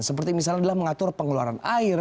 seperti misalnya adalah mengatur pengeluaran air